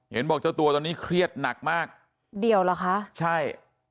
บอกเจ้าตัวตอนนี้เครียดหนักมากเดี่ยวเหรอคะใช่